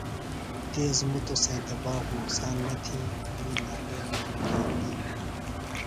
تیز مُتوۡ سینتہ باݜ نقصان نہ تھےۡ وی نالیمے نِکھئی بی۔